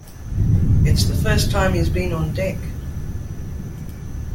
It's the first time he's been on deck.